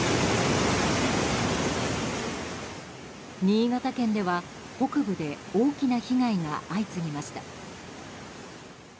新潟県では北部で大きな被害が相次ぎました。